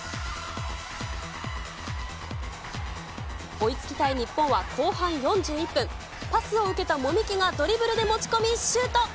追いつきたい日本は後半４１分、パスを受けたがドリブルで持ち込み、シュート。